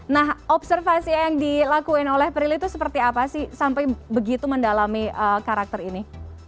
nah observasi yang dilakuin oleh prilly itu seperti apa sih sampai begitu mendalami karakter ini